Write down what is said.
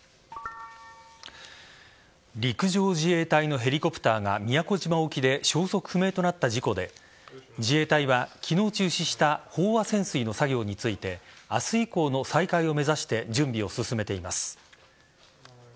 陸上自衛隊のヘリコプターが宮古島沖で消息不明となった事故で自衛隊は昨日中止した飽和潜水の作業について明日以降の再開を目指して準備を進めています。